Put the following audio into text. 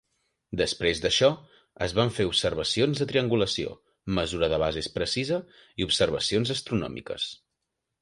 Després d'això, es van fer observacions de triangulació, mesura de bases precisa i observacions astronòmiques.